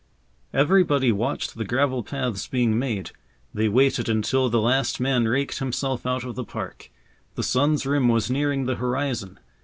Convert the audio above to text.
Everybody watched the gravel paths being made. They waited until the last man raked himself out of the park. The sun's rim was nearing the horizon.